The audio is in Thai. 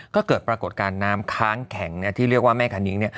ก็เกิดปรากฏการณ์น้ำค้างแข็งที่เรียกว่าแม่คณิ้ง